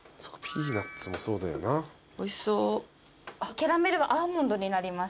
キャラメルはアーモンドになります。